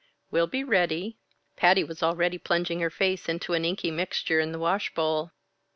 "We'll be ready!" Patty was already plunging her face into an inky mixture in the wash bowl.